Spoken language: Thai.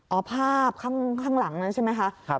ภาพข้างหลังนั้นใช่ไหมคะ